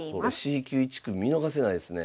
Ｃ級１組見逃せないですね。